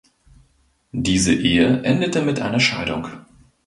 Diese Ehe endete mit einer Scheidung.